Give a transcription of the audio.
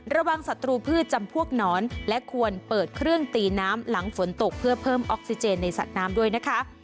สัตรูพืชจำพวกหนอนและควรเปิดเครื่องตีน้ำหลังฝนตกเพื่อเพิ่มออกซิเจนในสัตว์น้ำด้วยนะคะ